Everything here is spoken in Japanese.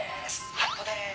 「ハットです」